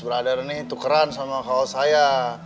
brother ini tukeran sama kaos saya